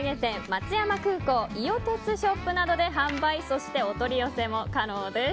松山空港いよてつショップなどで販売、そしてお取り寄せも可能です。